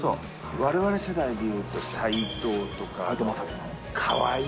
われわれ世代でいうと、斎藤とか川相。